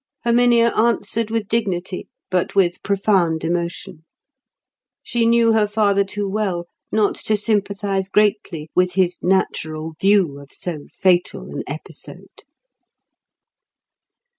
Herminia answered with dignity, but with profound emotion. She knew her father too well not to sympathise greatly with his natural view of so fatal an episode.